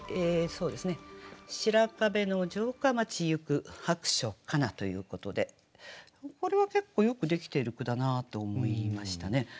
「白壁の城下町ゆく薄暑かな」ということでこれは結構よくできている句だなと思いましたね。